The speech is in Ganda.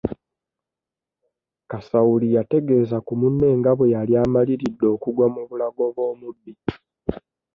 Kasawuli yategeeza ku munne nga bwe yali amaliridde okugwa mu bulago bw'omubbi.